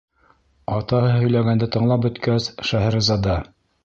Атаһы һөйләгәнде тыңлап бөткәс, Шәһрезада: